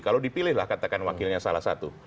kalau dipilihlah katakan wakilnya salah satu